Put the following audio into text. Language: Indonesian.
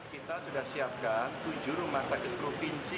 kita sudah siapkan tujuh rumah sakit provinsi